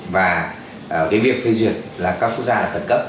và cái việc phê duyệt là các quốc gia khẩn cấp